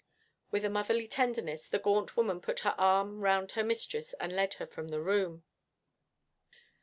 With a motherly tenderness the gaunt woman put her arm round her mistress and led her from the room.